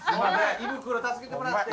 胃袋助けてもらって。